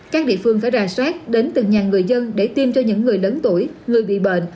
các địa phương phải rà soát đến từng nhà người dân để tiêm cho những người lớn tuổi người bị bệnh